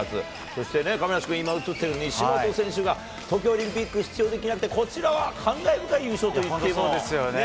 そして亀梨君、今うつっている西本選手が、東京オリンピック出場できなくて、こちらは感慨深い優勝といってもいいですよね。